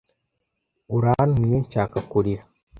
Urantumye nshaka kurira.